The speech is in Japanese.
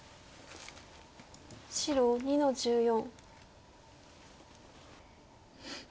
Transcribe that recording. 白２の十四。